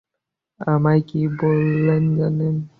আমায় কী বললেন জানেন?